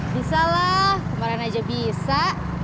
bisa lah kemarin aja bisa